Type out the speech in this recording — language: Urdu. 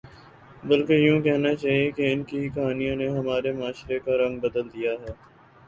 بلکہ یوں کہنا چاہیے کہ ان ہی کہانیوں نے ہمارے معاشرے کا رنگ بدل دیا ہے